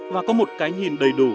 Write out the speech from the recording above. và có một cái nhìn đầy đủ